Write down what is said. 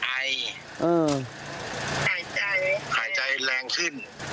หายใจหายใจแรงขึ้น